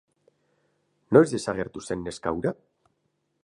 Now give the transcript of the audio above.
Noiz desagertu zen neska hura?